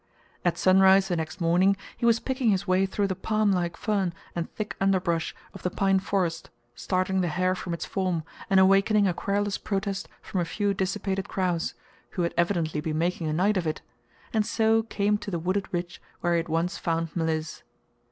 At sunrise the next morning he was picking his way through the palmlike fern and thick underbrush of the pine forest, starting the hare from its form, and awakening a querulous protest from a few dissipated crows, who had evidently been making a night of it, and so came to the wooded ridge where he had once found Mliss.